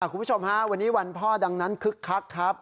คุณผู้ชมฮะวันนี้วันพ่อดังนั้นคึกคักครับ